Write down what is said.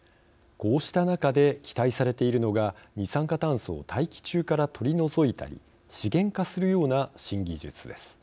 こうした中で期待されているのが二酸化炭素を大気中から取り除いたり資源化するような新技術です。